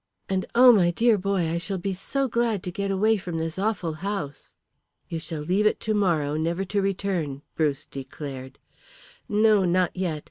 And, oh, my dear boy, I shall be so glad to get away from this awful house." "You shall leave it tomorrow, never to return," Bruce declared. "No; not yet.